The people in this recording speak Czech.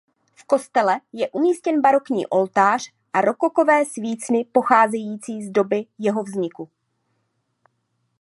V kostele je umístěn barokní oltář a rokokové svícny pocházející z doby jeho vzniku.